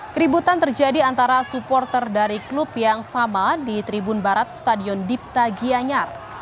keributan terjadi antara supporter dari klub yang sama di tribun barat stadion dipta gianyar